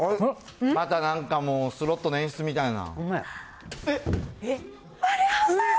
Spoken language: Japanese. またなんかもう、スロットの演出みたいな。